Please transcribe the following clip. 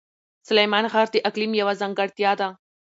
سلیمان غر د اقلیم یوه ځانګړتیا ده.